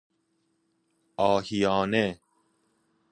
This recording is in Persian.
آهیانه